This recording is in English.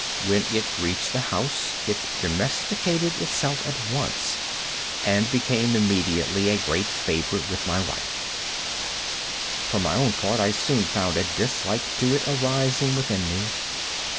When it reached the house it domesticated itself at once, and became immediately a great favorite with my wife. For my own part, I soon found a dislike to it arising within me.